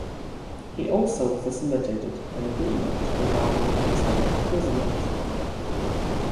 He also facilitated an agreement regarding transferring prisoners.